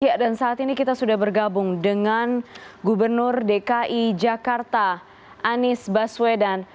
ya dan saat ini kita sudah bergabung dengan gubernur dki jakarta anies baswedan